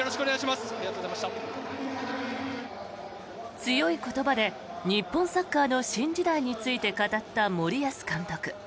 強い言葉で日本サッカーの新時代について語った森保監督。